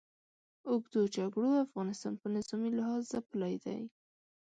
اوږدو جګړو افغانستان په نظامي لحاظ ځپلی دی.